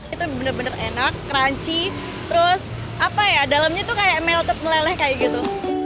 itu benar benar enak crunchy terus apa ya dalamnya tuh kayak melted meleleh kayak gitu